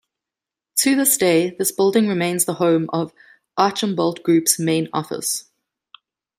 To this day, this building remains the home of Archambault Group's main office.